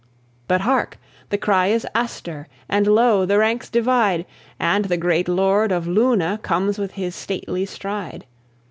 But hark! the cry is Astur: And lo! the ranks divide; And the great Lord of Luna Comes with his stately stride.